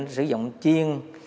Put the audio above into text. sử dụng chiêng